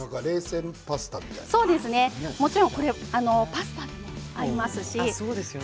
もちろんパスタにも合いますよ。